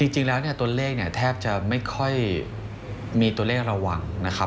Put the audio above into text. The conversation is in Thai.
จริงแล้วตัวเลขแทบจะไม่ค่อยมีตัวเลขระวังนะครับ